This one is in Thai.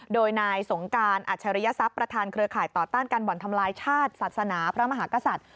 โดยนายสงการอัจฉริยศัพย์ประธานเครือข่ายต่อต้านการบ่อนทำลายชาติศาสนาพระมหากษัตริย์